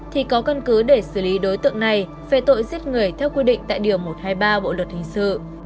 thì có cân cứ để xử lý đối tượng này về tội giết người theo quy định tại điều một trăm hai mươi ba bộ luật hình sự